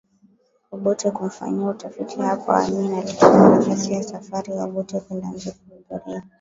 Obote kumfanyia utafiti Hapo Amin alitumia nafasi ya safari ya Obote kwenda nje kuhudhuria